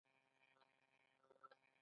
هغه د کلینګا په جګړه کې ډیر خلک وواژه.